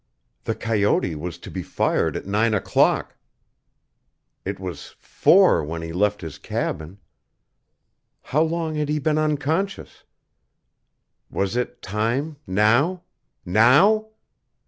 The coyote was to be fired at nine o'clock. It was four when he left his cabin. How long had he been unconscious? Was it time now now?